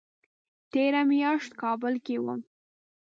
تېره میاشت کابل کې وم